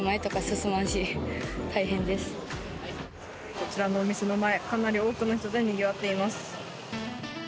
こちらのお店の前かなり多くの人でにぎわっています。